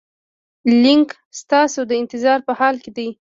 لینک ستاسو د انتظار په حال کې دی.